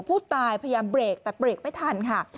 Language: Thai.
ผู้ตายพยายามเบรกแต่เบรกไม่ทันค่ะ